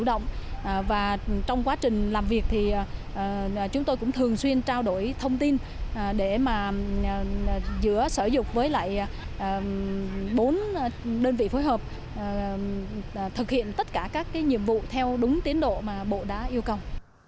để giữa sở giáo dục với lại bốn đơn vị phối hợp thực hiện tất cả các nhiệm vụ theo đúng tiến độ mà bộ đã yêu cầu